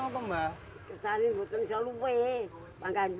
damnul setan kalau wykor ilmukan